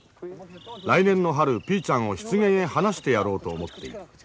来年の春ピーちゃんを湿原へ放してやろうと思っている。